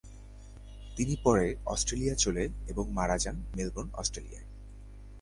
তিনি পরে অস্ট্রেলিয়া চলে এবং মারা যান মেলবোর্ন, অস্ট্রেলিয়া ।